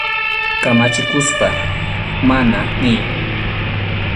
Kamachikuspa «mana» niy.